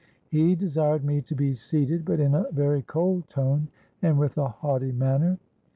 He desired me to be seated; but in a very cold tone and with a haughty manner.